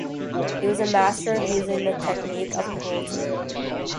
He was a master of using the technique of cruelty.